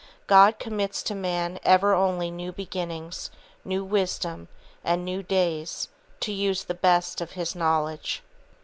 God commits to man ever only new beginnings, new wisdom, and new days to use the best of his knowledge.